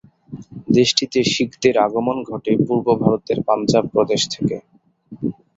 দেশটিতে শিখদের আগমন ঘটে পূর্ব ভারতের পাঞ্জাব প্রদেশ থেকে।